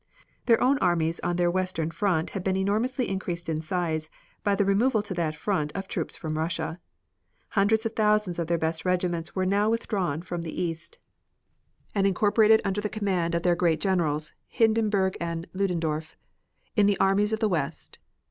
Their own armies on their western front had been enormously increased in size by the removal to that front of troops from Russia. Hundreds of thousands of their best regiments were now withdrawn from the east and incorporated under the command of their great Generals, Hindenburg and Ludendorf, in the armies of the west.